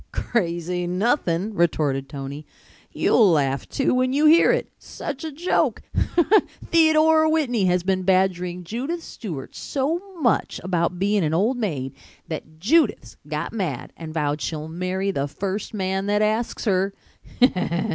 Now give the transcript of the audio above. "Crazy nothin'," retorted Tony. "You'll laugh too, when you hear it. Such a joke! Hee tee tee hee e. Theodora Whitney has been badgering Judith Stewart so much about bein' an old maid that Judith's got mad and vowed she'll marry the first man that asks her.